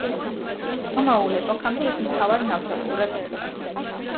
რომაულ ეპოქამდე ის მთავარ ნავსადგურად იქცა.